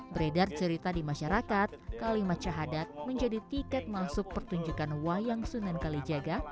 beredar cerita di masyarakat kalimat syahadat menjadi tiket masuk pertunjukan wayang sunan kalijaga